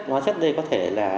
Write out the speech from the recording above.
hóa chất đây có thể là